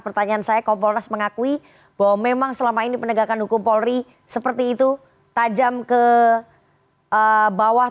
pertanyaan saya kompolnas mengakui bahwa memang selama ini penegakan hukum polri seperti itu tajam ke bawah